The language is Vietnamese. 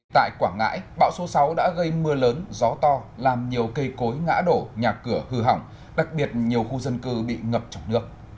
tại quảng ngãi bão số sáu đã gây mưa lớn gió to làm nhiều cây cối ngã đổ nhà cửa hư hỏng đặc biệt nhiều khu dân cư bị ngập trong nước